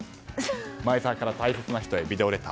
前澤から大切な人へビデオレター。